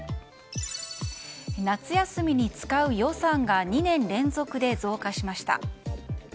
夏休みに使う予算が２年連続で増加しました。